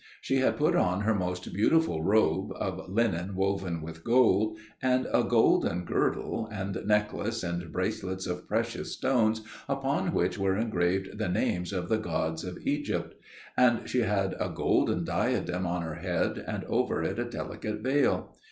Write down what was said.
She had put on her most beautiful robe, of linen woven with gold, and a golden girdle, and necklace and bracelets of precious stones upon which were engraved the names of the gods of Egypt. And she had a golden diadem on her head, and over it a delicate veil.